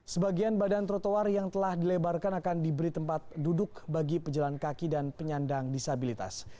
sebagian badan trotoar yang telah dilebarkan akan diberi tempat duduk bagi pejalan kaki dan penyandang disabilitas